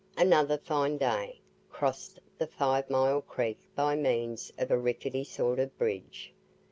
Another fine day. Crossed the Five Mile Creek by means of a rickety sort of bridge.